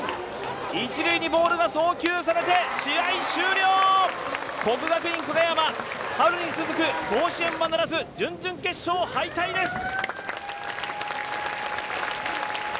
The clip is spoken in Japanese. １塁にボールが送球されて試合終了国学院久我山春に続く甲子園はならず準々決勝敗退です